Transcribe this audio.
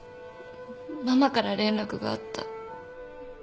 ママから連絡があった。